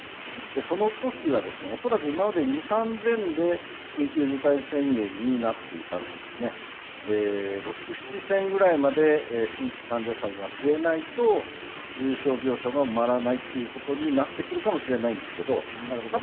その時は恐らく今まで２０００３０００で緊急事態宣言になっていたんですが６０００７０００くらいまで新規の患者さんが増えないと重症病床が埋まらないということになってくるかもしれませんがただ、